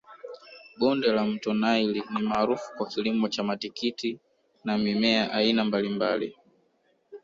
Bonde la mto naili ni maarufu kwa kilimo cha matikiti na mimea aina mbalimbali